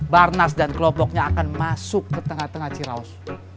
barnas dan kelopoknya akan masuk ke tengah tengah ciraos